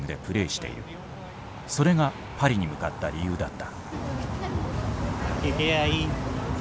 それがパリに向かった理由だった。